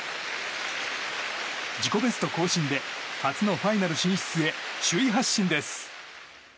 自己ベスト更新で初のファイナル進出へ首位発進です！